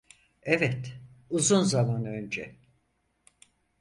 Evet, uzun zaman önce.